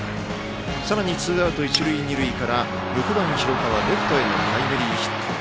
さらにツーアウト、一塁二塁から６番、広川レフトへのタイムリーヒット。